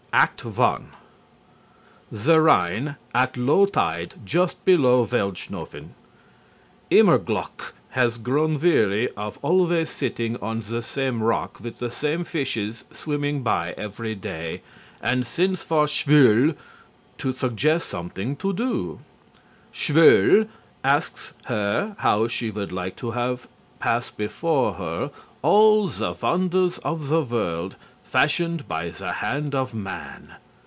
ACT I The Rhine at Low Tide Just Below Weldschnoffen. Immerglück has grown weary of always sitting on the same rock with the same fishes swimming by every day, and sends for Schwül to suggest something to do. Schwül asks her how she would like to have pass before her all the wonders of the world fashioned by the hand of man.